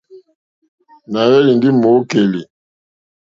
Nà hwélì ndé mòòkèlì,.